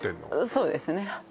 そうですね